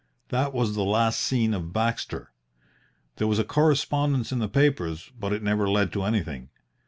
That was the last seen of Baxter. There was a correspondence in the papers, but it never led to anything.